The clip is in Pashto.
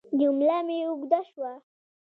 جمله مې اوږده شوه.